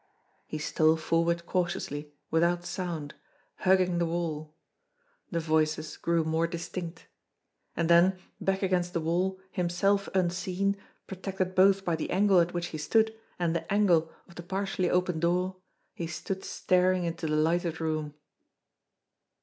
He stole forward cautiously, without sound, hugging the wall. The voices grew more distinct. And then, back against the wall, himself unseen, protected both by the angle at which he stood and the angle of the partially opened door, he stood staring into the lighted room.